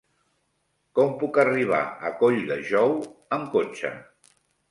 Com puc arribar a Colldejou amb cotxe?